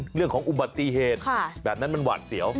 เรื่องของอุบัติเหตุแบบนั้นมันหวาดเสียว